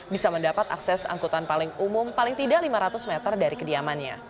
bisa mendapat akses angkutan paling umum paling tidak lima ratus meter dari kediamannya